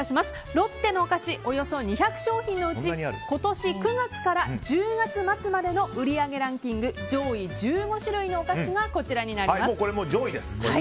ロッテのお菓子およそ２００商品のうち今年９月から１０月末までの売上ランキング上位１５種類のお菓子がこちらになります。